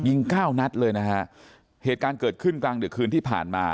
เก้านัดเลยนะฮะเหตุการณ์เกิดขึ้นกลางดึกคืนที่ผ่านมา